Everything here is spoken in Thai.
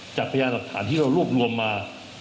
จากพยาดักฐานที่เรารูปรวมมา